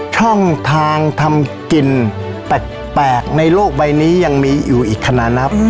ช่องทางทำกินแปลกในโลกใบนี้ยังมีอยู่อีกขนาดนับ